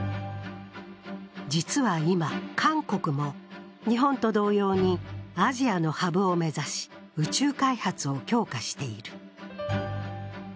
実は今、韓国も日本と同様にアジアのハブを目指し、宇宙開発を強化している。